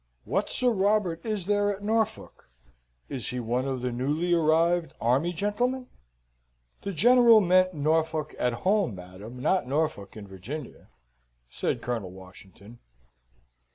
"What Sir Robert is there at Norfolk? Is he one of the newly arrived army gentlemen?" "The General meant Norfolk at home, madam, not Norfolk in Virginia," said Colonel Washington.